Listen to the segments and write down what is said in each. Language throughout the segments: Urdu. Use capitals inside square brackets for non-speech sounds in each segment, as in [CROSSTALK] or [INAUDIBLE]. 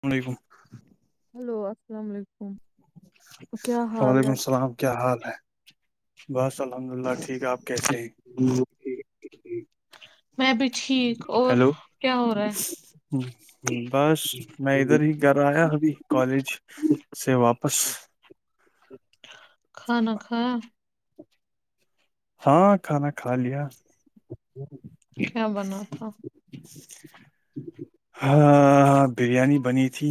سلام علیکم [UNINTELLIGIBLE] ہیلو السلام علیکم [UNINTELLIGIBLE] کیا حال وعلیکم ہے السلام کیا حال بس [UNINTELLIGIBLE] الحمد للہ ٹھیک آپ کیسے ہیں [UNINTELLIGIBLE] میں بھی ٹھیک اور ہیلو کیا ہو رہا ہ بس میں ہے ادھر ہی گھر آیا ابھی کالج سے واپس [UNINTELLIGIBLE] بش [UNINTELLIGIBLE] کھاانا کھا [UNINTELLIGIBLE] ہاں کھانا کھا لیا [UNINTELLIGIBLE] کیا بنا تھا ہاں بریانی بنی تھی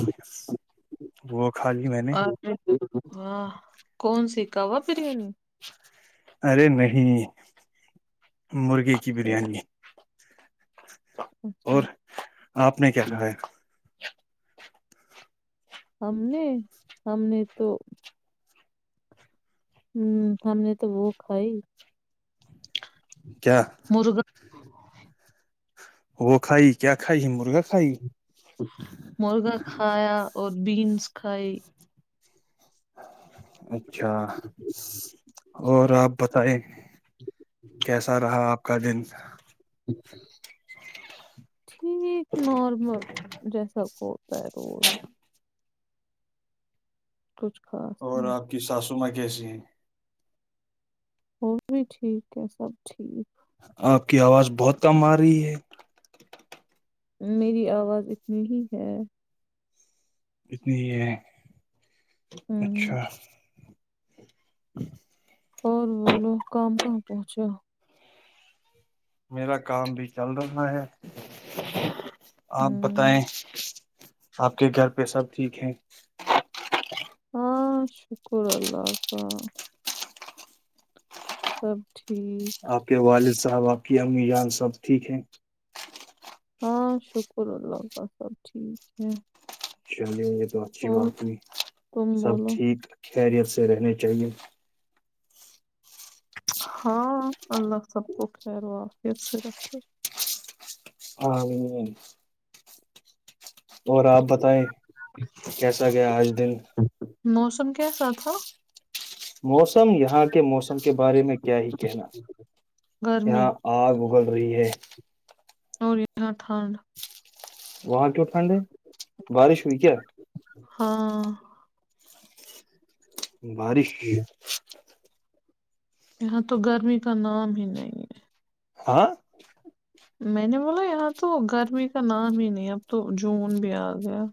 وہ کھا لی میں نے ہاں کون سیک کاا وا بریانی ارے نہیں مرغے کی خیر بریانی اچھا اور آپ نے کیا کہا ہے ہم نے ہم نے تو ہوں ہم نے تو وہ کھائی کیا مرغ ب [INAUDIBLE] وہ کھائی کیا کھائی مرغا کھائی مرغا کھایا اور بینس کھائی اچھا اور آپ بتائیں کیسا رہا آپ کا دن ج [INAUDIBLE] ٹھیک نارمل جیسا ہوتا ہے ر کچھ خاص نہیں ہے سثم کےس ہیں ہو بھی ٹھیک ہے سب ٹھیک آپ کی آواز بہت کم آ رہی ہے [UNINTELLIGIBLE] میری آواز اتنی ہی ہے اتنی ہے ہمم اچھا ج [INAUDIBLE] اور وہ لوگ کام کہاں پہنچا میرا کام بھی چل رہا ہے آپ ہوں بتائیں آپ کے گھر پہ سب ٹھیک ہے ہاں شکر اللہ کا سب ٹھیک آپ کے والد صاحبق کی امی جان سب ٹھیک ہیں ہاں شکر اللہ سب ٹھیک ہے [UNINTELLIGIBLE] چلیے یہ تو اچھی اور بات نہیں تم سب بولو ٹھیک کیریئر سے رہنے چاہیے [UNINTELLIGIBLE] ہاں اللہ سب کو کہلوا پھر سے رکھے ہاں [UNINTELLIGIBLE] اور آپ بتائیں کیسا گیا آج دن تم کیسا تھا [UNINTELLIGIBLE] موسم یہاں کے موسم کے بارے میں کیا [UNINTELLIGIBLE] کیا ہی کہنا گرمی یہاں آگ [UNINTELLIGIBLE] بول رہی ہے [UNINTELLIGIBLE] اور یہاں ٹھنڈ وہاں کیوںٹھنڈ ہے [UNINTELLIGIBLE] بارش ہوئی کیا [UNINTELLIGIBLE] ہاں [UNINTELLIGIBLE] بارش [UNINTELLIGIBLE] یہاں تو گرمی کا نام ہی نہیں ہے ہاں [UNINTELLIGIBLE] میں نے بولا یہاں تو گرمی کا نام ہی نہیں اب تو جون بھی آ گیا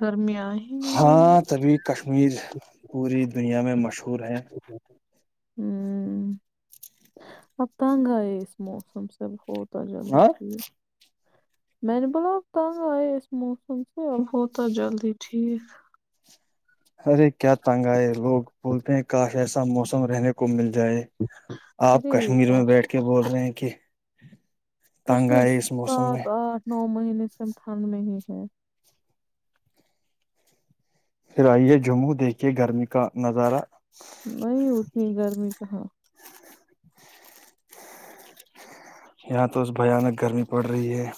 گرمییا آئی ہاں تبھی کشمیر پوری دنیا میں مش [UNINTELLIGIBLE] ور ہے [UNINTELLIGIBLE] ہ اب تنگ آئے اس موسم سے بہت [UNINTELLIGIBLE] ات جلدی ہاں ٹھیک [UNINTELLIGIBLE] میں نے بولپ تنگ آئیے اسس موم سے اب ہوتا جلدی ٹھیک ارے کیا تنگا ہے لوگ بولتے ہیں کاش ایسا موسم رہنے کو مل ج جائے آپ ارے کشمیر میں یار بیٹھ کے بول رہے ہیں کہ [UNINTELLIGIBLE] ہ [INAUDIBLE] پچھلی سات آٹھ نو [UNINTELLIGIBLE] مہینے سے ہم ٹھنڈ میں ہی ہے [UNINTELLIGIBLE] پھر آئیے جموں دیکھیے گرمی کا نظارہ نہیں اتنی گرمی کہاں [UNINTELLIGIBLE] یہاں تو اس بانک گرمی پڑ رہی ہے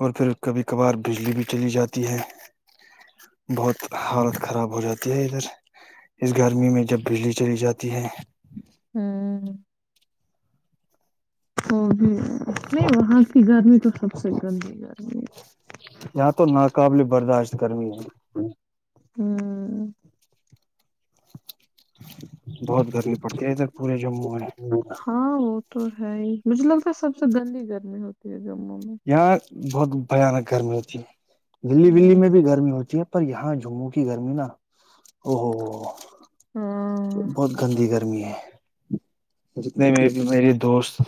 اور پھر کبھی کبھار بجلی بھی چلی جاتی ہے بہت حالت خراب ہو جاتی ہے ادھر اس گرمی میں جب بجلی چلی جاتی ہے ہوں [UNINTELLIGIBLE] وہ بھی نہیں وہاں کی گرمی تو سب سے گندی گرمی ہے یہاں تو ناقابل برداشت گرمی ہے ہوں [UNINTELLIGIBLE] بہت گرمی پڑتی ہے ادھر پورے جموں میں ہاں وہ تو ہے ہی مجھے لگتا ہے سب سے گندی گرمی ہوتی ہے جموں میں [UNINTELLIGIBLE] یہاں بہت بیاانک گرمی ہوتی ہے دلی بلی ہوں میں بھی گرمی ہوتی ہے پر یہاں جموں کی گرمی نا او ہو ہاں بہت گندی کر ہے جتنے میں بھی میری دوست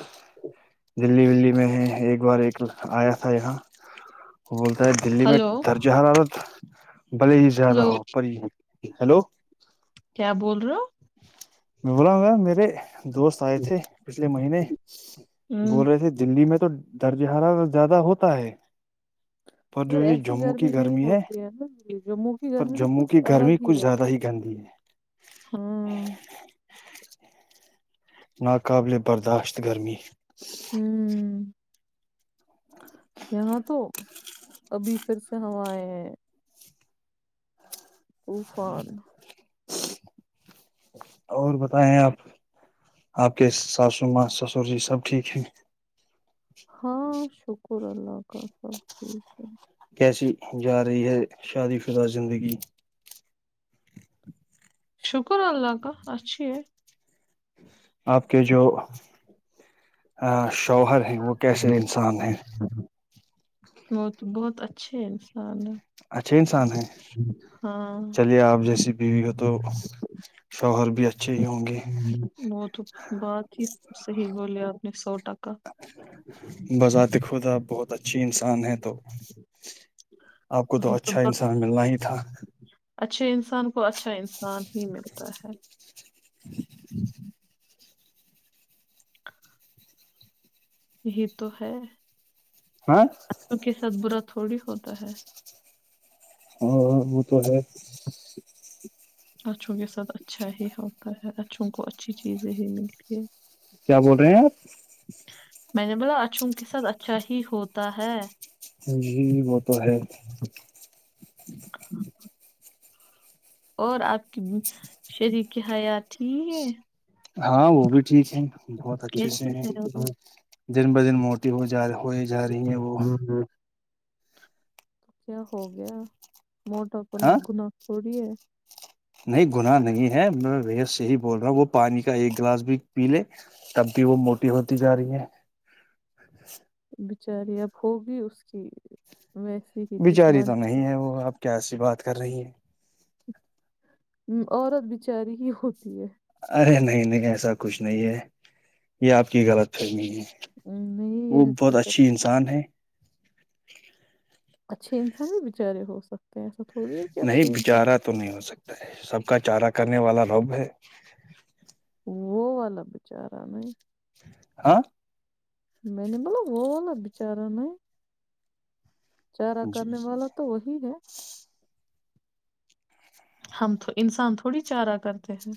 دلی ولی میں ہیں ایک بار ایک آیا تھا یہاں [UNINTELLIGIBLE] وہ بولتا ہے دللی میں ہلو درجہ حرارت بلے ہی زیادہ ہلو ہو پ ہلو کیا بول رہے م بلا گا میرے دوست آئے تھے پچھلے مہینے ہو ہوں بول رہے تھے دلی میں تو درجہ حرا زیادہ ہوتا ہے پر اگر جو یہ ایسی جموں گرمی کی نہیں ہوتی ہے نا یہ جموں کی پر گرمی ن جموں کچھ کی الگ گرمی ہی کچھ ہے زیادہ گندی ہے ہوں ناقابل برداشت گرمی ہ یہاں تو ابھی پھر سے ہوا آ ہیں طوفان اور بتائے آپ آپ کے ساسو ماں سسر جی سب ٹھیک ہیں ہاں شکر اللہ کا سب ٹھیک ہے کیسی جا رہی ہے شادی فضا زندگی شکر اللہ کا اچھی ہے آپ کے جو شوہر ہے وہ کیسے انسان ہیں وہ تو بہت اچھے انسان ہے اچھے انسان ہیں ہاں چلیے آپ جیسی بیوی ہو تو شوہر بھی اچھے ہی ہوں گے وہ تو بات ہی صحی بولیا اپ نے سو ٹکا چ بذاتت خودا بہت اچھی انسان ہے تو آپ کو تو اچھا انسان ملنا ہی تھا اچھے انسان کو اچھا انسان ہی ملتا ہے ہ [INAUDIBLE] یہی تو ہے ہاں وں کے سات برا تھوڑی ہوتا ہے ہاں وہ تو ہے اچھوں کے ساتھ اچھا ہی ہوتا ہے اچھوں کو اچھی چیزیں ہی ملتی ہے کیا بول رہے ہیں آپ میں نے بولا اچھووں کے ساتھ اچھا ہی ہوتا ہے جی وہ [INAUDIBLE] اور آپ کی شرر کی حیات ہی ہے ہاں وہ بھی [UNINTELLIGIBLE] ٹھیک ہے بہت اچھے سے کیسی ہیں ہے دن ب دن موٹی ہو جا رہ ہوئے جا رہی ہیں وہ [UNINTELLIGIBLE] تو کیا ہو گیا موٹا پن ہاں گناہ تھوڑی ہے [UNINTELLIGIBLE] نہیں گنااہ نہیں ہے میں وی سے ہی بول رہا ہ وہ پانی کا ایک گلاس بھی پی لے تب بھی وہ موٹی ہوتی جا رہی ہے بچاری اب ہوگی اس کی [UNINTELLIGIBLE] ہی بچاری تو جسمانی نہیں ہے وہ اب کیس بات کر رہی ہیں [UNINTELLIGIBLE] عورت بچاری ہی ہوتی ہے ارے نہیں نہیں ایسا کچھ نہیں ہے یہ آپ کی غلط فرمی ہے نہیں وہ یہ بہت حقیقت اچھی انسان ہے اچھے انسان بھی بچارے ہو سکتے ہیں ایساڑا نہیں بچارا تو نہیں ہو سکتا ہے سب کا چارہ کرنے والا رب ہے وہ والا بچارا نہیں ہاں میں نے ملب وہولا بچارا چارہ جی کرنے والا تو وہی ہے ہم انسان تھوڑی چارہ کرتے ہیں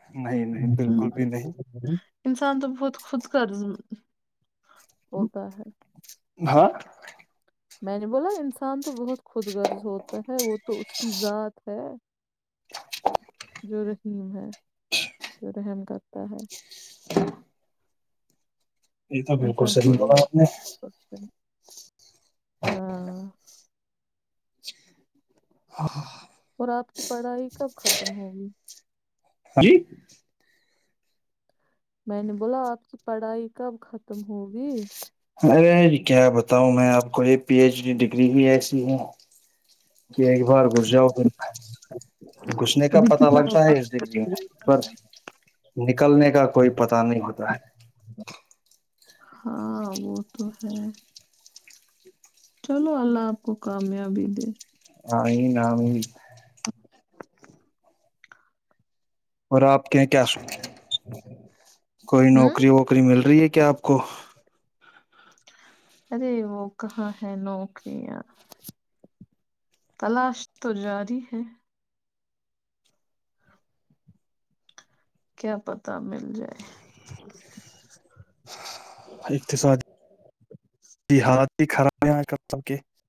نہیں ہ نہیں بالکل بھی نہیں [UNINTELLIGIBLE] انسان تو بہت خود کا ہوتا ہے [UNINTELLIGIBLE] ہاں میں نے بولا انسان تو بہت خود غرض ہوتا ہے وہ تو اس کی ذات ہے جو رحیم ہے جو رحم کرتا ہے یہ تو بالکل انسان صحیح تھوڑی بولا آپ وتتے نے ہیں ہاں [UNINTELLIGIBLE] اور آپ کی پڑھائی کب ختم ہوگی ہ جی [UNINTELLIGIBLE] میں نے بولا آپ سے پڑھائی کب ختم ہوگی ارے کیا بتاؤں میں آپ کو یہ پی ایچ ڈی ڈگری بھی ایسی ہے کہ ایک بار گھس جاؤ پھر گھسنے کا ابھی پتا کتنا لگتا ہوگا؟ ہے اس د لیے پر نکلنے کا کوئی پتا نہیں ہوتا ہے [UNINTELLIGIBLE] ہاں وہ تو ہے چلو اللہ آپ کو کامیابی دے ہاں یہ نام [UNINTELLIGIBLE] اور آپ کے کیا سو کوئی ہوں نوکری ووکری مل رہی ہے کیا آپ کو [UNINTELLIGIBLE] ارے وہ کہاں ہے نوکریاں تلاش تو جاری ہے کیا پتہ مل جائے ت ساد حالات ہی خراب ہے [UNINTELLIGIBLE] تبکے [UNINTELLIGIBLE]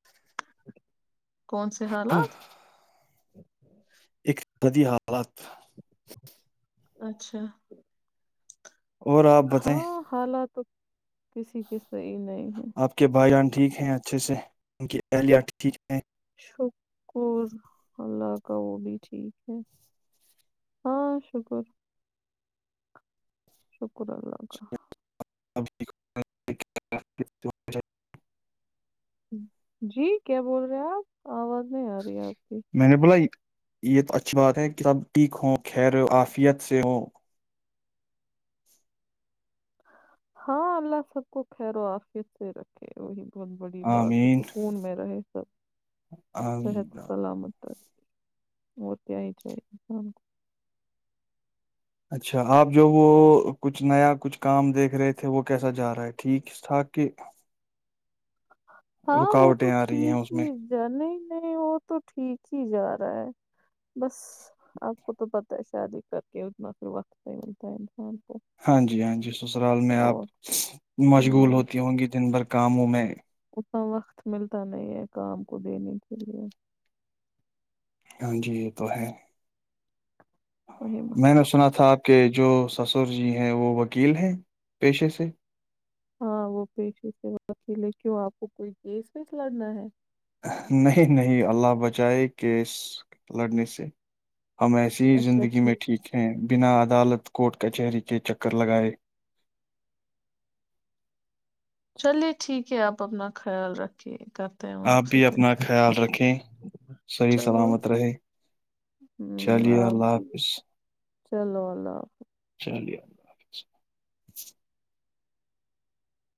کون سے حالات؟ ایک سدی حالت [UNINTELLIGIBLE] اچھا اور آپ بتائیں ہاں حالات کسی کس طرح [UNINTELLIGIBLE] آپ کے بھائی جان ٹھیک ہے اچھے سے ان کی اہلیہت ٹیک [UNINTELLIGIBLE] شکر ہگ [UNINTELLIGIBLE] کا وہ بھی ٹھیک ہے ہاں شکر [UNINTELLIGIBLE] شک [UNINTELLIGIBLE] شکر اللہ کا [UNINTELLIGIBLE] [UNINTELLIGIBLE] جی کیا بول رہے آپ آواز نہیں آ رہی آپ [UNINTELLIGIBLE] میں نے بلائی [UNINTELLIGIBLE] یہ اچھی بات ہے کہ تب ٹھیک ہوں خیر عفیت سے ہوں [UNINTELLIGIBLE] ہاں اللہ سب کو خیر و آفت سے رکھے وہی بہت بڑی بات ہے آمین سکون میں رہے سب صحت آمین۔ سلامت ت [UNINTELLIGIBLE] وہ تیا ہی چاہے کو [UNINTELLIGIBLE] اچھا آپ جو وہ کچھ نیا کچھ کام دیکھ رہے تھے وہ کیسا جا رہا ہے ٹھیکٹھاک کہ ہاں وہ تو رکاوٹیں آ رہی ہیں ٹھیک اس میں ہی ج نہیں نہیں وہ تو ٹھیک ہی جا رہا ہے بس آپ کو تو پتہ ہے شادی کر کے اتنا پھر وقت پہ ملتا ہے انسان [UNINTELLIGIBLE] ہاں جی ہاں جی سسرال میں آپ اور مشغول ہاں ہوتی ہوں گی دن بھر کاموں میں اتنا وقت ملتا نہیں ہے کام کو دینے کےلئے ہاں جی یہ تو ہے [UNINTELLIGIBLE] وہی میں مسئلہ نے سنا تھا آپ کہ جو سسر جی ہیں وہ وکیل ہیں پیشے سے [UNINTELLIGIBLE] ہاں وہ پیشے سے بات م لے کیوں آپ کو کوئی کیس ویس لڑنا ہے نہیں نہیں اللہ بچائے کہ اس لڑنے سے ہم ایسیے ہی زندگی میں ٹھیک ہیں بنا عدالت کوورٹ کچہری کے چکر لگائے چلیے ٹھیک ہے آپ اپنا خیال رکھیے کرتے ہیں ہم آپ سے بھی پھر اپنا خیال رکھیں صحیح چلو سلامت رہے ہمم چلیے آپ اللہ بھی حافظ چلو اللہ چلیے ال